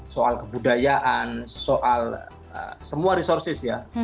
soal kebudayaan soal semua resources ya